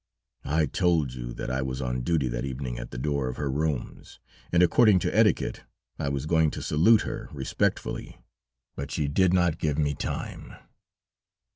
I told you that I was on duty that evening at the door of her rooms, and according to etiquette, I was going to salute her respectfully, but she did not give me time.